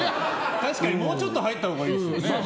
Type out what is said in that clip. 確かにもうちょっと入ったほうがいいですよね。